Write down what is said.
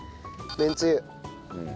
めんつゆ。